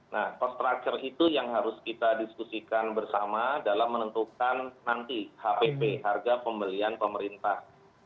nah cost structure itu yang harus kita diskusikan bersama dalam menentukan nanti hpp harga pembelian pemerintah